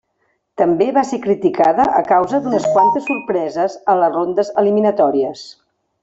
També va ser criticada a causa d'unes quantes sorpreses a les rondes eliminatòries.